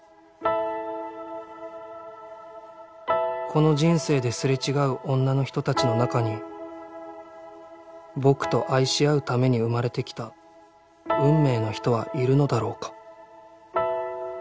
この人生ですれ違う女の人たちの中に僕と愛し合うために生まれてきたおにいさん